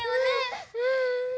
うん。